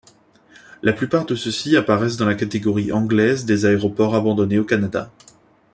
La plupart de ceux-ci apparaissent dans la catégorie anglaises des aéroports abandonnés au Canada.